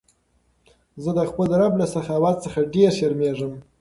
زه د خپل رب له سخاوت څخه ډېر شرمېږم.